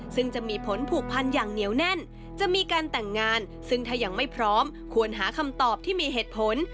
ซึ่งจะมีผลผูกพันอย่างเหนียวแน่นจะมีการแต่งงานซึ่งถ้ายังไม่พร้อมควรหาคำตอบที่มีเหตุผล